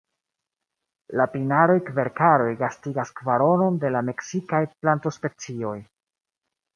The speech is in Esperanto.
La pinaroj-kverkaroj gastigas kvaronon de la meksikaj plantospecioj.